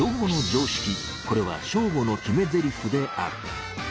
これはショーゴの決めゼリフである。